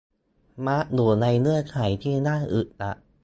มักอยู่ในเงื่อนไขที่น่าอึดอัด